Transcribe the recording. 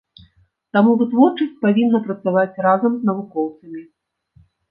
Таму вытворчасць павінна працаваць разам з навукоўцамі.